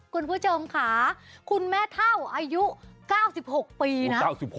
คุณผู้ชมค่ะคุณแม่เท่าอายุ๙๖ปีนะ